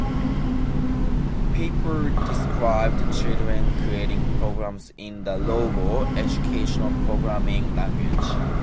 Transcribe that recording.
Papert described children creating programs in the Logo educational programming language.